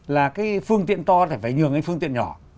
là cái phương tiện to phải nhường đến phương tiện nhỏ